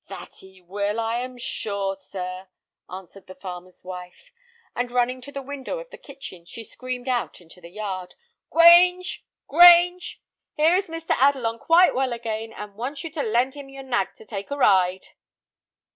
"That he will, I am sure, sir," answered the farmer's wife; and running to the window of the kitchen, she screamed out into the yard, "Grange! Grange! here is Mr. Adelon quite well again, and wants you to lend him your nag to take a ride."